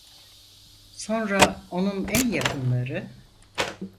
Sonra, onun en yakınları: